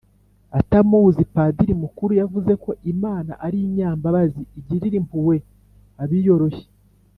atamuzi, padiri mukuru yavuze ko imana ari inyambabazi, igirira impuhwe abiyoroshya